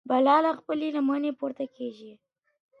¬ بلا له خپلي لمني پورته کېږي.